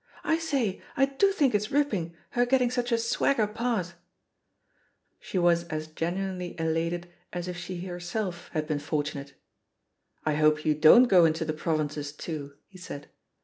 I say, I do think it's ripping, her getting such a swagger parti" She was as genuinely elated as if she herself had been for tunate. "I hope you doriH go into the provinces too,'^ he said.